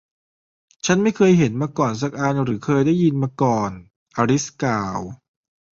ฉันไม่เคยเห็นมาก่อนสักอันหรือเคยได้ยินมาก่อน อลิซกล่าว